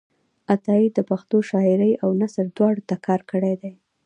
عطایي د پښتو شاعرۍ او نثر دواړو ته کار کړی دی.